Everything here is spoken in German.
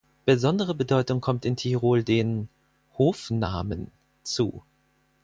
Besondere Bedeutung kommt in Tirol den "Hofnamen" zu.